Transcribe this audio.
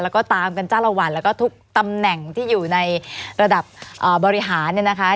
แล้วก็ตามกันจ้าละวันแล้วก็ทุกตำแหน่งที่อยู่ในระดับบริหารเนี่ยนะคะ